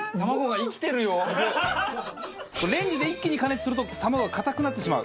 レンジで一気に加熱すると卵が硬くなってしまう。